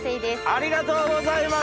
ありがとうございます！